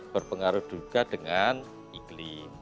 berpengaruh juga dengan iklim